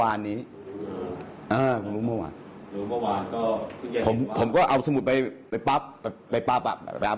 อันนี้ยืมเงินของคุณลุงไปด้วยไหมครับ